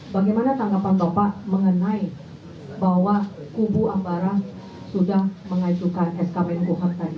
bagaimana tanggapan bapak mengenai bahwa kubu ambarah sudah mengajukan skbn kuhap tadi